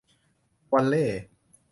วัลเล่ย์